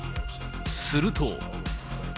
すると。